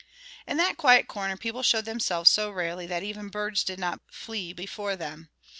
In that quiet corner people showed themselves so rarely that even birds did not flee before them.